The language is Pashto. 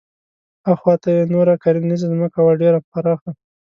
اخواته یې نوره کرنیزه ځمکه وه ډېره پراخه.